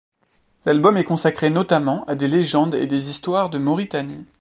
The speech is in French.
L'album est consacré notamment à des légendes et des histoires de Mauritanie.